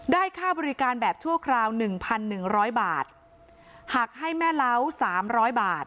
ค่าบริการแบบชั่วคราวหนึ่งพันหนึ่งร้อยบาทหักให้แม่เล้าสามร้อยบาท